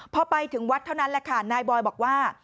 พอไปถึงวัดเท่านั้นแหละค่ะนายบอยบอกว่า